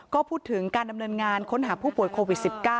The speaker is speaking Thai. ก็พูดถึงการดำเนินงานค้นหาผู้ป่วยโควิด๑๙